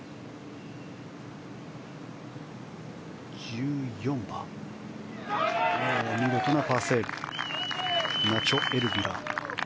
１４番、見事なパーセーブでしたナチョ・エルビラ。